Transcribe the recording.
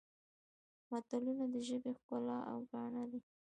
متلونه د ژبې ښکلا او ګاڼه دي